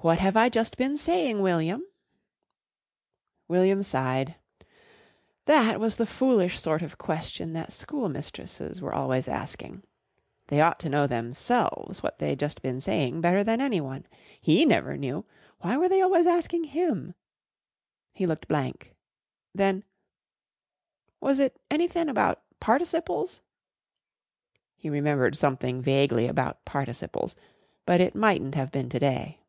"What have I just been saying, William?" William sighed. That was the foolish sort of question that schoolmistresses were always asking. They ought to know themselves what they'd just been saying better than anyone. He never knew. Why were they always asking him? He looked blank. Then: "Was it anythin' about participles?" He remembered something vaguely about participles, but it mightn't have been to day.